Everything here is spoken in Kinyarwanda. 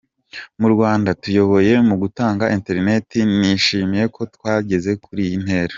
Mu Rwanda tuyoboye mu gutanga internet; nishimiye ko twageze kuri iyi ntera.